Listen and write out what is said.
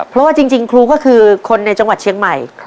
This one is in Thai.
เพราะว่าจริงครูก็คือคนในจังหวัดเชียงใหม่